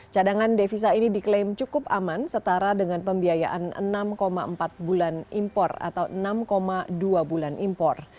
cadangan devisa ini diklaim cukup aman setara dengan pembiayaan enam empat bulan impor atau enam dua bulan impor